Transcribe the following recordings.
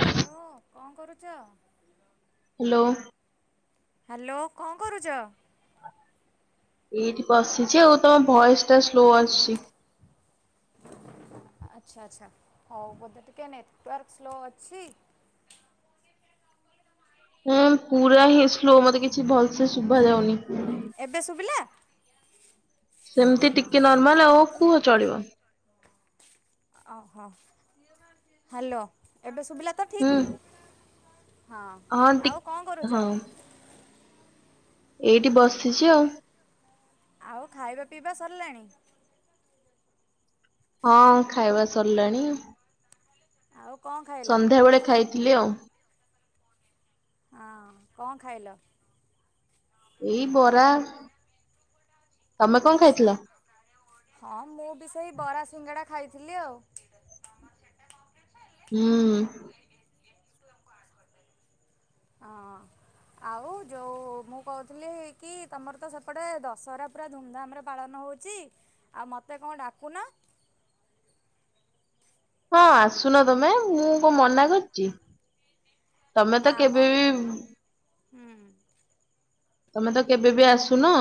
Hello କଣ କରୁଛ? Hello. Hello କଣ କରୁଛ? ଏଇଠି ବସିଛି ଆଉ ତମ ଭଏସ ଟା ସ୍ଲୋ ଆସୁଛି। ଆଚ୍ଛା ଆଚ୍ଛା ହଉ ବୋଧେ ଟିକିଏ ନେଟୱାର୍କ ସ୍ଲୋ ଅଛି। ହଁ ପୁରା ହିଁ ସ୍ଲୋ ମତେ କିଛି ଭଲସେ ଶୁଭା ଯାଉନି। ଏବେ ଶୁଭିଲା? ସେମତି ଟିକେ ନର୍ମାଲ ଆଉ କୁହ ଚଳିବ। ଓହୋ ହ୍ୟାଲୋ ଏବେ ଶୁଭିଲା ତ ହୁଁ ଠିକ? ହଁ ଆଉ କଣ ହଁ କରୁଛ? ଏଇଠି ବସିଛି ଆଉ। ଆଉ ଖାଇବା ପିଇବା ସରିଲାଣି? ହଁ ଖାଇବା ସରିଲାଣି। ଆଉ କଣ ଖାଇ ସନ୍ଧ୍ୟାବେଳେ ଖାଇଥିଲି ଆଉ। ହଁ କଣ ଖାଇଲ? ଏଇ ବରା ତମେ କଣ ଆଚ୍ଛା ଖାଇଥିଲ? ହଁ ମୁଁ ବି ସେଇ ବରା ସିଙ୍ଗାଡ଼ା ଖାଇଥିଲି ଆଉ। ହୁଁ। ହଁ। ଆଉ ଯେଉ ମୁଁ କହୁଥିଲି କି ତମର ତ ସେପଟେ ଦଶହରା ପୁରା ଧୁମଧାମରେ ପାଳନ ହେଉଛି। ଛି ଆଉ ମୋତେ କଣ ଡାକୁନା। ହଁ ଆସୁନ ତମେ ମୁଁ କଣ ମନା କରିଛି। ତମେ ତ ନାମ କେବେ ବି ହୁଁ। ତମେ ତ କେବେ ବି ଆସୁନ।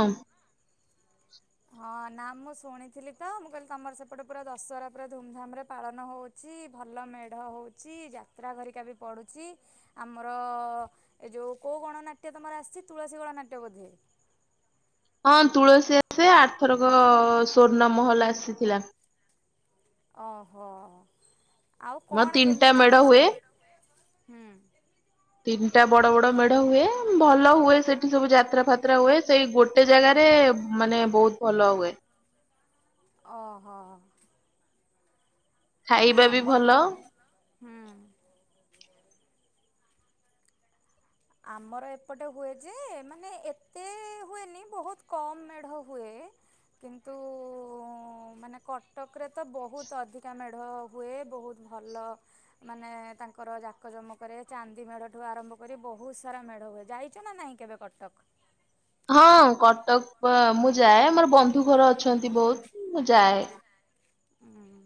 ହଁ ନା ମୁଁ ଶୁଣିଥିଲି ତ ମୁଁ କହିଲି ତମର ସେପଟେ ପୁରା ଦଶହରା ପୁରା ଧୁମଧାମ ରେ ପାଳନ ହୋଉ ଛି ଭଲ ମେଢ଼ ହେଉଛି ଯାତ୍ରା ହେରିକା ବି ପଡ଼ୁଛି। ଆମର ଏ ଯେଉଁ କେଉଁ ଗଣନାଟ୍ୟ ତୁମର ଆସିଛି ତୁଳସୀ ଗଣନାଟ୍ୟ ବୋଧେ? ହଁ ତୁଳସୀ ଆସେ ଆରଥରକ ସ୍ୱର୍ଣ୍ଣ ମହଲ ଆସିଥିଲା। ଓହୋ ଆଉ ମ କଣ ତିନିଟା କେମିତି ମେଢ ତମର ହୁଏ। ସବୁ? ହୁଁ ତିନିଟା ବଡ-ବଡ ମେଢ ହୁଏ, ଭଲ ହୁଏ ସେ ଠି ସବୁ ଯାତ୍ରା ଫାତ୍ରା ହୁଏ, ସେଇ ଗୋଟେ ଜାଗାରେ ମାନେ ବହୁତ୍ ଭଲ ହୁଏ। ଓହୋ। ନା ଖାଇବା ବି ଆମର ଭଲ। ହୁଁ। ଆମର ଏପଟେ ହୁଏ ଯେ, ମାନେ ଏତେ ହୁଏନି ବହୁତ କମ୍ ମେଢ଼ ହୁଏ। କିନ୍ତୁ ମାନେ କଟକ୍ ରେ ତ ବହୁତ୍ ଅଧିକା ମେଢ଼ ହୁଏ, ବହୁତ୍ ଭଲ ମାନେ ତାଙ୍କର ଜାକଜମକରେ ଚାନ୍ଦି ମେଢଠୁ ଆରମ୍ଭ କରି ବହୁ ବହୁତ୍ ସାରା ମେଢ଼ ହୁଏ, ଯାଇଚ ନା ନାଇଁ କେବେ କଟକ୍? ହଁ କଟକ୍ ମୁଁ ଯାଏ ମୋର ବନ୍ଧୁ ଘର ଅଛନ୍ତି ବହୁତ୍ ମୁଁ ଯାଏ। ହୁଁ।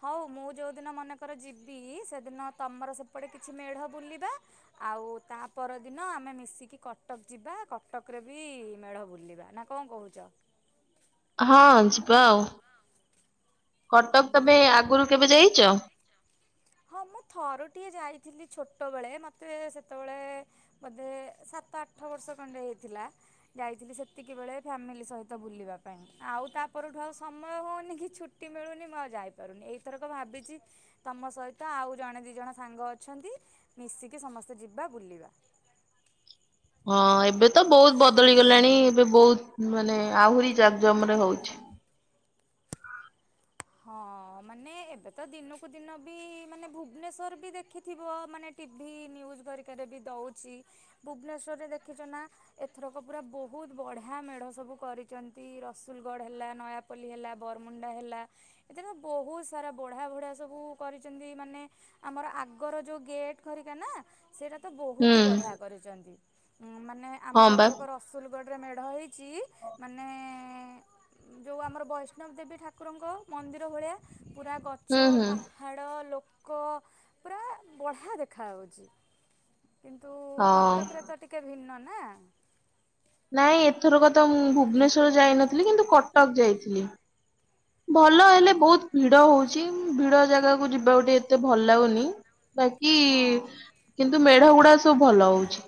ହଉ, ମୁଁ ଯୋଉଦିନ ମନେକର ଯିବି ସେଦିନ ତମର ସେପଟେ କିଛି ମେଢ଼ ବୁଲିବା ଆଉ ତା ପର ଦିନ ଆମେ ମିଶିକି କଟକ୍ ଯିବା, କଟକ୍ ରେ ବି ମେଢ ବୁଲିବା ନା କଣ କହୁଚ? ହଁ ଯିବା ଆଉ, କଟକ୍ ତମେ ଆଗରୁ କେବେ ଯାଇଚ? ହଁ ମୁଁ ଥରୁଟିଏ ଯାଇଥିଲି ଛୋଟବେଳେ, ମତେ ସେତବଳେ ବୋଧେ ସାତ ଆଠ ବର୍ଷ ଖଣ୍ଡେ ହେଇଥିଲା ଯାଇଥିଲି ସେତିକିବେଳେ ଫ୍ୟାମିଲି ସହିତ ବୁଲିବା ପାଇଁ। ଆଉ ତା ପରଠୁ ଆଉ ସମୟ ହଉନି କି ଛୁଟି ମିଳୁନି ମୁଁ ଆଉ ଯାଇପାରୁନି, ଏଇଥରକ ଭାବିଚି ତମ ସହିତ ଆଉ ଜଣେ ଦି ଜଣ ସାଙ୍ଗ ଅଛନ୍ତି, ମିଶିକି ସମସ୍ତେ ଯିବା ବୁଲିବା। ହଁ, ଏବେ ତ ବହୁତ୍ ବଦଳି ଗଲାଣି ଏବେ ବହୁତ୍ ମାନେ ଆହୁରି ଜାକ୍ ଜମ୍ରେ ହଉଚି। ହଁ, ମାନେ ଏବେ ତ ଦିନୁକୁ ଦିନ ବି ମାନେ ଭୁବନେଶ୍ୱର ବି ଦେଖିଥିବ ମାନେ ଟିଭିି ନ୍ୟୁଜ୍ ଘରିକାରେ ବି ଦେଉଚି, ଭୁବନେଶ୍ୱରରେ ଦେଖିଚ ନା ଏଥରକ ପୁରା ବହୁତ୍ ବଢ଼ିଆ ମେଢ଼ ସବୁ କରିଚନ୍ତି, ରସୁଲଗଡ଼ ହେଲା ନୟା ପଲ୍ଲି ହେଲା ବରମୁଣ୍ଡା ହେଲା। ଏଥର ତ ବହୁତ୍ ସାରା ବଢ଼ିଆ-ବଢ଼ିଆ ସବୁ କରିଚନ୍ତି ମାନେ ଆମର ଆଗର ଯୋଉ ଗେଟ ଘରିକା ନା ସେଇଟା ତ ହୁଁ ବହୁତ୍ ହି ବଢିଆ କରିଚନ୍ତି, ଉଁ ମାନେ ହଁ ଆମର ବା ଏଥରକ ର ସୁଲଗଡ଼ରେ ମେଢ଼ ହେଇଚି ମାନେ ଯୋଉ ଆମର ବୈଷ୍ଣବି ଦେବୀ ଠାକୁରଙ୍କ ମନ୍ଦିର ଭଳିଆ ପୁରା ହୁଁ ଗଛ ହୁଁ ପା ହାଡ଼ ଲୋକ ପୁରା ବଢ଼ିଆ ଦେଖାଯାଉଛି। କିନ୍ତୁ ହଁ। କଟକ୍ ରେ ତ ଟିକେ ଭିନ୍ନ ନା। ନାଇଁ ଏଥରକ ତ ମୁଁ ଭୁବନେଶ୍ଵର ଯାଇନଥିଲି କିନ୍ତୁ କଟକ୍ ଯାଇଥିଲି। ଭଲ ଉଁ ହେଲେ ବହୁତ୍ ହୁଁ। ଭିଡ ହଉଚି, ଭିଡ ଜାଗାକୁ ଯିବାକୁ ଟିକେ ଏତେ ଭଲ୍ ଲାଗୁନି। ବାକି ହଁ। କିନ୍ତୁ ମେଢ ଗୁଡାକ ସବୁ ଭଲ ହଉଛି।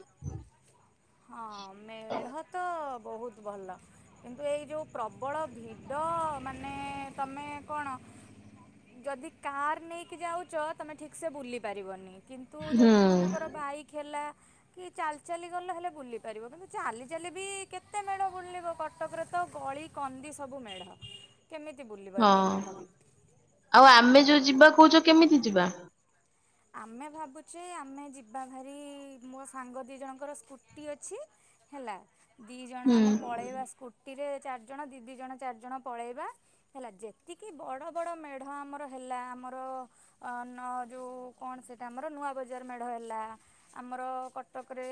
ହଁ ମେଢ ତ ବହୁତ୍ ଭଲ। କିନ୍ତୁ ଏଇ ଯୋଉ ପ୍ରବଳ ଭିଡ଼ ମାନେ ତମେ କଣ ଯଦି କାର୍ ନେଇକି ଯାଉଚ, ତମେ ଠିକ୍ସେ ବୁଲି ପାରିବନି। କିନ୍ତୁ ହୁଁ ଯଦି ମନେକର ବାଇକ୍ ହେଲା କି ଚାଲ୍ଚାଲି ଗଲେ ହେଲେ ବୁଲିପାରିବ, କିନ୍ତୁ ଚାଲି-ଚାଲି ବି କେତେ ମେଢ ବୁଲିବ କଟକରେ ତ ଗଳି କନ୍ଦି ସବୁ ମେଢ଼ କେମିତି ବୁଲିବ ହଁ। ଏତେ ମେଢ଼ ବି। ଆଉ ଆମେ ଯୋଉ ଯିବା କହୁଚ କେମିତି ଯିବା? ଆମେ ଭାବୁଚେ ଆମେ ଯିବା ଭାରି ମୋ ସାଙ୍ଗ ଦି ଜଣଙ୍କର ସ୍କୁଟି ଅଛି ହେଲା, ଦି ଜଣ ହୁଁ ଆମେ ପଳେଇବା ସ୍କୁ ଟିରେ ଚାରିଜଣ ଦି-ଦି ଜଣ ଚାରିଜଣ ପଳେଇବା। ହେଲା ଯେତିକି ବଡ଼-ବଡ଼ ମେଢ଼ ଆମର ହେଲା ଆମର ନ ଯୋଉ କଣ ସେଇଟା ଆମର ନୂଆ ବଜାର ମେଢ଼ ହେଲା, ଆମର କଟକ୍ ରେ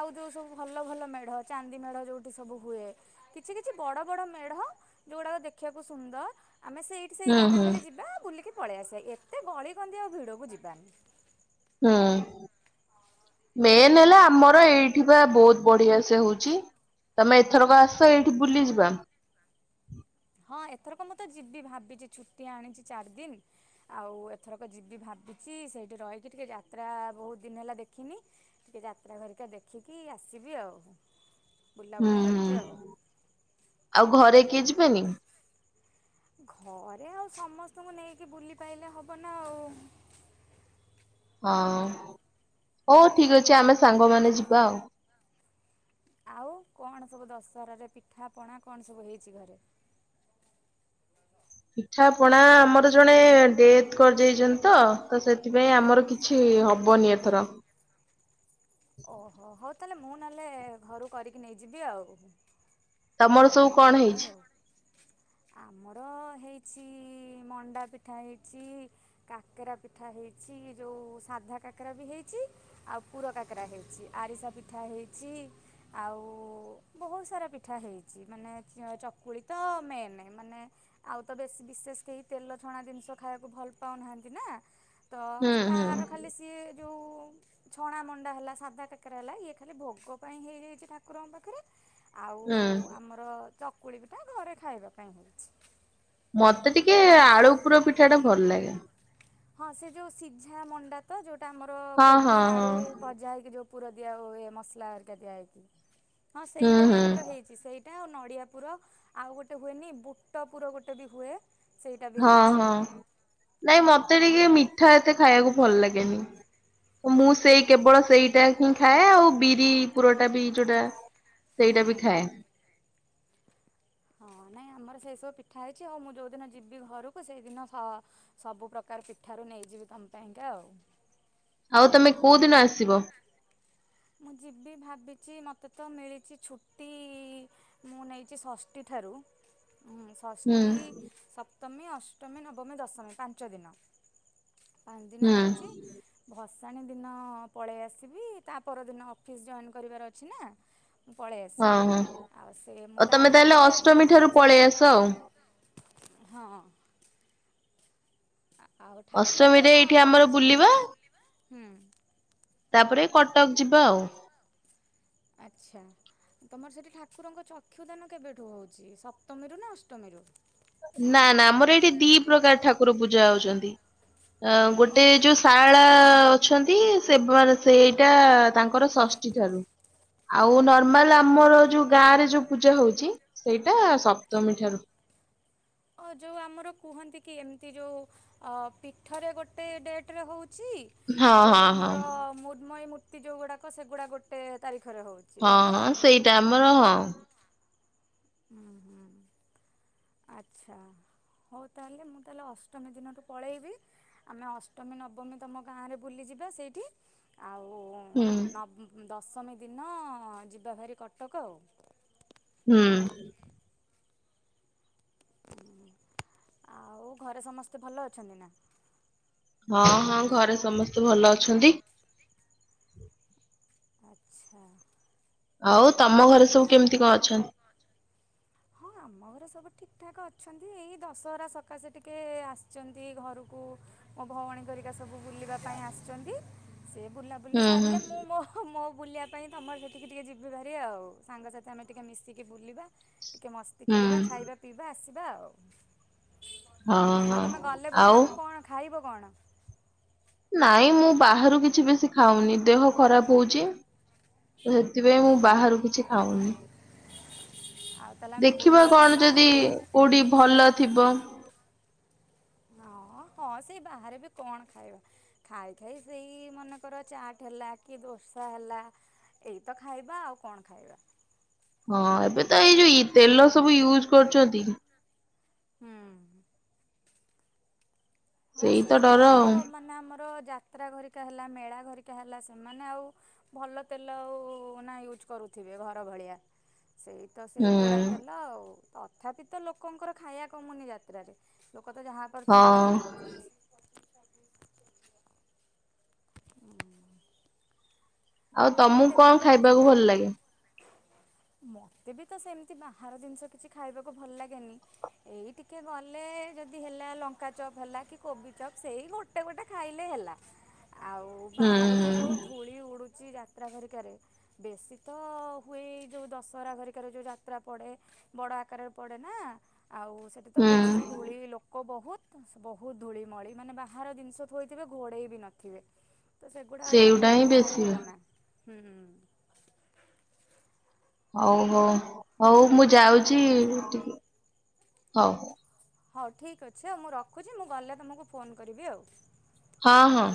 ଆଉ ଯୋଉ ସବୁ ଭଲ-ଭଲ ମେଢ଼ ଚାନ୍ଦି ମେଢ଼ ଯୋଉଠି ସବୁ ହୁଏ। କିଛି-କିଛି ବଡ-ବଡ ମେଢ ଯୋଉ ଗୁଡାକ ଦେଖିବାକୁ ସୁନ୍ଦର୍ ଆମେ ସେଇ କି ସେଇ ହୁଁ ଜାଗା ହୁଁ ଖାଲି ଯିବା ବୁଲିକି ପଳେଇ ଆସିଆ, ଏତେ ଗଳି କନ୍ଦି ଆଉ ଭିଡ଼କୁ ଯିବାନି। ହୁଁ। ମେନ୍ ହେଲା ଆମର ଏଇଠି ବା ବହୁତ ବଢିଆ ସେ ହଉଛି। ତମେ ଏଥରକ ଆସ ଏଇଠି ବୁଲିଯିବା। ହଁ, ଏଥରକ ମୁଁ ତ ଯିବି ଭାବିଛି ଛୁଟି ଆଣିଛି ଚାରି ଦିନ। ଆଉ ଏଥରକ ଯିବି ଭାବିଛି ସେଇଠି ରହିକି ଟିକେ ଯାତ୍ରା ବହୁତ ଦିନ ହେଲା ଦେଖିନି। ଟିକେ ଯାତ୍ରା ଘରିକା ଦେଖିକି ଆସିବି ଆଉ ହୁଁ ବୁଲାବୁଲି ହୁଁ। କରିକି ଆଉ। ଆଉ ଘରେ କିଏ ଯିବେନି? ଘରେ ଆଉ ସମସ୍ତଙ୍କୁ ନେଇକି ବୁଲି ପାଇଲେ ହେବ ନା ଆଉ। ହଁ, ହଉ ଠିକ ଅଛି ଆମେ ସାଙ୍ଗ ମାନେ ଯିବା ଆଉ। ଆଉ କଣ ସବୁ ଦଶହରାରେ, ପିଠାପଣା କଣ ସବୁ ହେଇଛି ଘରେ? ପିଠା ପଣା ଆମର ଜଣେ ଡେଥ କରିଜାଇଛନ୍ତି ତ ତ ସେଥିପାଇଁ ଆମର କିଛି କିଛି ହେବନି ଏଥର। ଓହୋ ହଉ ତାହେଲେ ମୁଁ ନହେଲେ ଘରୁ କରିକି ନେଇଯିବି ଆଉ। ତମର ତମ ସବୁ ଘର କଣ ପାଇଁ ହେଇଛି? ଆଉ। ଆମର ହେଇଛି ମଣ୍ଡା ପିଠା ହେଇଛି। କାକେରା ପିଠା ହେଇଛି ଯୋଉ ସାଧା କାକେରା ବି ହେଇଛି। ଆଉ ପୁର କାକରା ହେଇଛି ଆରିସା ପିଠା ହେଇଛି। ଆଉ ବହୁତ ସାରା ପିଠା ହେଇଛି। ଛି ମାନେ ଚକୁଳି ତ ମେନ୍ ମାନେ ଆଉ ତ ବେଶୀ ବିଶେଷ କେହି ତେଲ ଛଣା ଜିନିଷ ଖାଇବାକୁ ଭଲ ପାଉନାହାନ୍ତି ନା ତ ହୁଁ ହୁଁ ତାର ଖାଲି ସିଏ ଯେଉଁ ଛଣା ମଣ୍ଡା ହେଲା ସାଧା କକରା ହେଲା ଇଏ ଖାଲି ଭୋଗ ପାଇଁ ହେଇଯାଇଛି ଠାକୁରଙ୍କ ପାଖରେ ଆଉ ହୁଁ ଆମର ଚକୁଳି ପିଠା ଘରେ ଖାଇବା ପାଇଁ। ମତେ ଟିକେ ଆଳୁ ପୁର ପିଠା ଟା ଭଲ ଲାଗେ। ହଁ ସେ ଯଉ ସିଝା ମଣ୍ଡା ତ ଯଉଟା ଆମର ହଁ କୋବି ହଁ ହଁ ଆଳୁ ଭଜା ହେଇକି ଯୋଉ ପୁର ଦିଆ ହୁଏ ମସଲା ଆରିକା ଦିଆହଇକି ହଁ ହୁଁ ସେଇଟା ବି ହୁଁ ଆମର ହେଇଛି। ସେଇଟା ଆଉ ନଡିଆ ପୁର ଆଉ ଗୋଟେ ହୁଏନି ବୁଟ ପୁର ଗୋଟେ ବି ହୁଏ। ସେଇଟା ବି ହଁ ହେଇଛି। ହଁ ନାଇଁ ମତେ ଟିକେ ମିଠା ଏତେ ଖାଇବାକୁ ଭଲ ଲାଗେନି। ମୁଁ ସେଇ କେବଳ ସେଇଟା ହିଁ ଖାଏ ଆଉ ବିରି ପୁରଟା ବି ଯୋଉଟା ସେଇଟା ବି ହୁଁ। ଖାଏ। ହଁ ନାଇଁ ଆମର ସେଇ ସବୁ ପିଠା ହେଇଛି ହଉ ମୁଁ ଯୋଉଦିନ ଯିବି ଘରକୁ ସେଇଦିନ ସ ସବୁ ପ୍ରକାର ପିଠାରୁ ନେଇଯିବି ତମ ପାଇଁକା ଆଉ। ଆଉ ତମେ କୋଉ ଦିନ ଆସିବ? ମୁଁ ଯିବି ଭାବିଛି ମୋତେ ତ ମିଳିଛି ଛୁଟି ମୁଁ ନେଇଛି ଷଷ୍ଠୀ ଠାରୁ ହୁଁ ଷଷ୍ଠୀ ସପ୍ତମୀ ଅଷ୍ଟମୀ ନବମୀ ଦଶମୀ ପାଞ୍ଚ ଦିନ। ପାଞ୍ଚ ଦିନ ହୁଁ ନେଇଛି ଭସାଣି ଦିନ ପଳେଇ ଆସିବି। ତା ପରଦିନ ଅଫିସ୍ ଜଏନ୍ କରିବାର ଅଛି ନା। ପଳେଇ ହଁ ଆସିବି ହଁ ଆଉ ସେ ମୁଁ ଆଉ ତମେ ତାର ତାହେଲେ ଭିତରେ ଅଷ୍ଟମୀ ଦିଦିନି ଠାରୁ ପଳେଇ ଆସ ଆଉ। ହଁ। ଆଉ ଠାକୁରଙ୍କର ଅଷ୍ଟମୀରେ ତ ଏଇଠି ଆମର ତମର ସେଠି ବୁଲିବା। ହୁଁ ତାପରେ କଟକ ଯିବା ଆଉ। ଆଚ୍ଛା। ତମର ସେଇଠି ଠାକୁରଙ୍କ ଚକ୍ଷୁଦାନ କେବେଠୁ ହେଉଛି ସପ୍ତମୀରୁ ନା ଅଷ୍ଟମୀରୁ। ନା ନା ଆମର ଏଇଠି ଦି ପ୍ରକାର ଠାକୁର ପୂଜା ହଉଛନ୍ତି ଅ କଣ ଗୋଟେ ଯୋଉ କେମିତି? ସା ପାଳା ଅଛନ୍ତି ସେ ବ ସେଇଟା ତାଙ୍କର ଷଷ୍ଠୀ ଠାରୁ ଆଉ ନର୍ମାଲ ଆମର ଯୋଉ ଗାଁ ରେ ଯୋଉ ପୂଜା ହଉଛି ସେଇଟା ସପ୍ତମୀ ଠାରୁ ଓ ଯେଉଁ ଆମର କୁହନ୍ତି କି ଏମିତି ଯୋଉ ଅ ପୀଠରେ ଗୋଟେ ଡେଟେ ହେଉଛି। ହଁ ଆଉ ହଁ ହଁ ଆମର ମୁଦ୍ମୟୀ ମୂର୍ତ୍ତି ଯେଉଁଗୁଡ଼ାକ ସେଗୁଡ଼ାକ ଗୋଟେ ତାରିଖରେ ହେଉଛି। ହଁ ଏୟା ତ? ହଁ ସେଇଟା ଆମର ହଁ। ହୁଁ ହୁଁ ଆଛା। ହଉ ତାହେଲେ ମୁଁ ତାହେଲେ ଅଷ୍ଟମୀ ଦିନଠୁ ପଳେଇବି ଆମେ ଅଷ୍ଟମୀ ନବମୀ ତମ ଗାଁରେ ବୁଲିଯିବା ସେଇଠି ଆଉ ହଁ ହୁଁ ନବ ଦଶମୀ ଦିନ ଯିବା ଭାରି କଟକ ଆଉ। ହୁଁ। ହୁଁ ଆଉ ଘରେ ସମସ୍ତେ ଭଲ ଅଛନ୍ତି ନାଁ? ହଁ ହଁ ଘରେ ସମସ୍ତେ ଭଲ ଅଛନ୍ତି। ଆଛା। ଆଉ ତମ ଘରେ ସବୁ କେମିତି କଣ ଅଛନ୍ତି? ହଁ ଆମ ଘରେ ସବୁ ଠିକ୍ ଠାକ୍ ଅଛନ୍ତି ଏଇ ଦଶହରା ସକାଶେ ଟିକେ ଆସିଛନ୍ତି ଘରକୁ ମୋ ଭଉଣୀ ଘରିକା ସବୁ ବୁଲିବା ପାଇଁ ଆସିଛନ୍ତି ସେ ବୁଲାବୁଲି ହୁଁ ହୁଁ ସାରିଲେ ମୁଁ ମୋ ହଁ ମୋ ବୁଲିବା ପାଇଁ ତମ ସେଠିକି ଟିକେ ଯିବି ଭାରି ଆଉ ସାଙ୍ଗସାଥି ଆମେ ଟିକେ ମିଶିକି ବୁଲିବା ଟିକେ ମସ୍ତି ହୁଁ କରିବା ଖାଇବା ପିଇବା ଆସିବା ଆଉ। ହଁ ଆଉ ହଁ ତମେ ଗଲେ ଆଉ ବୁଲିବାକୁ କଣ ଖାଇବ କଣ? ନାଇଁ ମୁଁ ବାହାରୁ କିଛି ବେଶୀ ଖାଉନି ଦେହ ଖରାପ ହଉଛି ତ ସେଥିପାଇଁ ମୁଁ ବାହାରୁ କିଛି ଖାଉନି। ଆଉ ତାହେଲେ ଆମେ ଦେଖିବା ବୁଲିବାକୁ କଣ ଯିବା ଯଦି ଆଉ। କୋଉଠି ଭଲ ଥିବ। ହଁ ହଁ ସେଇ ବାହାରେ ବି କଣ ଖାଇବା ଖାଇ ଖାଇ ସେଇ ମନେକର ଚାଟ୍ ହେଲା କି ଦୋସା ହେଲା ଏଇତ ଖାଇବା ଆଉ କଣ ଖାଇବା। ହଁ ଏବେ ତ ଏଇ ଯୋଉ ଇ ତେଲ ସବୁ ୟୁଜ୍ କରୁଛନ୍ତି। ହୁଁ। ହଁ ସେଇ ତ ସେଇତ ଡର ଆଉ ମାନେ ଆମର ଯାତ୍ରା ଘରିକା ହେଲା ମେଳା ଘରିକା ହେଲା ସେମାନେ ଆଉ ଭଲ ତେଲ ଆଉ ନାଁ ୟୁଜ୍ କରୁଥିବେ ଘର ଭଳିଆ ସେଇ ତ ହୁଁ। ସେଇ ପୋଡ଼ା ତେଲ ଆଉ ତଥାପି ତ ଲୋକଙ୍କର ଖାଇବା କମୁନି ଯାତ୍ରାରେ ଲୋକ ତ ଯାହା ପାରୁଛନ୍ତି ତାହା ହଁ ଖାଉଛନ୍ତି। ହୁଁ। ଆଉ ତମକୁ କଣ ଖାଇବାକୁ ଭଲ ଲାଗେ? ମତେ ବି ତ ସେମିତି ବାହାର ଜିନିଷ କିଛି ଖାଇବାକୁ ଭଲ ଲାଗେନି। ଏଇ ଟିକେ ଗଲେ ଯଦି ହେଲା ଲଙ୍କା ଚପ୍ ହେଲା କି କୋବି ଚପ୍ ସେଇ ଗୋ ଗୋଟେ ଗୋଟେ ଖାଇଲେ ହେଲା ଆଉ ହୁଁ ବାହାରେ ତ ଯୋଉ ଧୂଳି ଉଡ଼ୁଛି ଯା ଯାତ୍ରା ଘରିକାରେ ବେଶୀ ତ ହୁଏଇ ଯୋଉ ଦଶହରା ଘରିକାରେ ଯୋଉ ଯାତ୍ରା ପଡ଼େ ବଡ ଆକାରରେ ପଡେ ନାଁ ଆଉ ସେଠି ତ ହୁଁ ହୁଁ। ବେଶୀ ଧୂଳି ଲୋ ଲୋକ ବହୁତ ବହୁତ ଧୂଳିମଳି ମାନେ ବାହାର ଜିନିଷ ଥୋଇଥିବେ ଘୋଡ଼େଇ ବି ନଥିବେ। ତ ସେଗୁଡ଼ା ଆଉ ସେଇଗୁଟା ଯାତ୍ରାରେ ହିଁ ଆଉ ଖାଇ ବେଶୀ ହବ ନାଁ ହୁଁଁ ହୁଁ। ହଉ ହଉ ହଉ ମୁଁ ଯାଉଛି ହଉ ଟିକେ ହଉ। ହଉ ଠିକ୍ ଅଛି ଆଉ ମୁଁ ରଖୁଛି ମୁଁ ଗଲେ ତମକୁ ଫୋନ୍ କରିବି ଆଉ। ହଁ ହଁ।